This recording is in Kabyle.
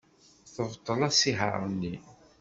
Tebṭel asihaṛ-nni.